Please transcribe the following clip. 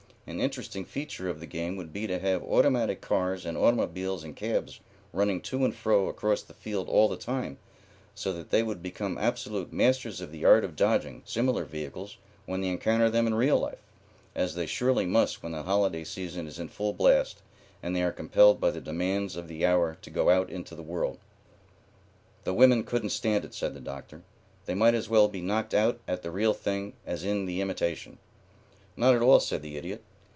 An interesting feature of the game would be to have automatic cars and automobiles and cabs running to and fro across the field all the time so that they would become absolute masters of the art of dodging similar vehicles when they encounter them in real life, as they surely must when the holiday season is in full blast and they are compelled by the demands of the hour to go out into the world." "The women couldn't stand it," said the Doctor. "They might as well be knocked out at the real thing as in the imitation." "Not at all," said the Idiot.